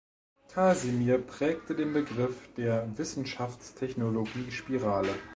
Casimir prägte den Begriff der Wissenschafts-Technologie-Spirale.